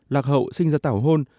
lạc hậu sinh ra tảo hôn